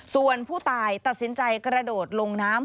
ส่วนผู้ตายตัดสินใจกระโดดลงน้ำ